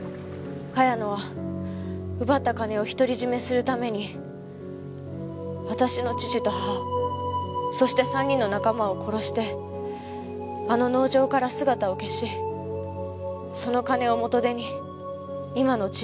茅野は奪った金を独り占めするために私の父と母そして３人の仲間を殺してあの農場から姿を消しその金を元手に今の地位を築いたのよ。